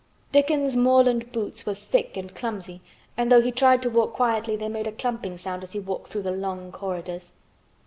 Dickon's moorland boots were thick and clumsy and though he tried to walk quietly they made a clumping sound as he walked through the long corridors.